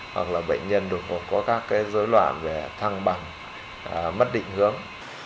hoặc là bệnh nhân đột ngột có các dối loạn về thăng bằng mất định hướng